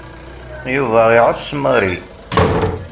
Yuba iɛess Mary.